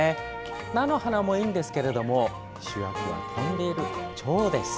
菜の花もいいんですけども主役は飛んでいるチョウです。